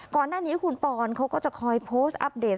ก่อนหน้านี้คุณปอนเขาก็จะคอยโพสต์อัปเดต